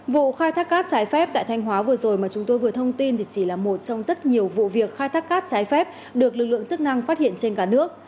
vụ khai thác cát trái phép tại thanh hóa vừa rồi mà chúng tôi vừa thông tin thì chỉ là một trong rất nhiều vụ việc khai thác cát trái phép được lực lượng chức năng phát hiện trên cả nước